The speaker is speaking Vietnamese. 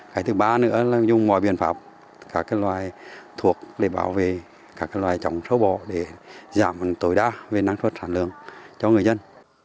cái thứ ba nữa là dùng mọi biện pháp các loài thuộc để bảo vệ các loài trồng sâu bò để giảm tối đa về năng suất sản lượng cho người dân